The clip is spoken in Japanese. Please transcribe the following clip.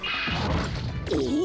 え？